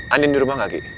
andin di rumah gak ki